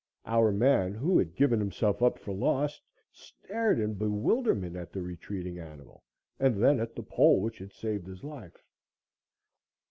Our man, who had given himself up for lost, stared in bewilderment at the retreating animal and then at the pole which had saved his life.